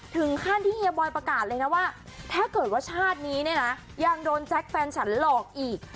ถึงขั้นที่เฮียบอยประกาศเลยนะว่าถ้าเกิดว่าชาตินี้เนี่ยนะยังโดนแจ๊คแฟนฉันหลอกอีก